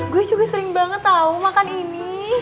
gue juga sering banget tahu makan ini